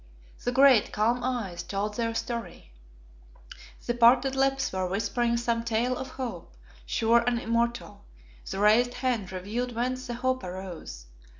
The great, calm eyes told their story, the parted lips were whispering some tale of hope, sure and immortal; the raised hand revealed whence that hope arose.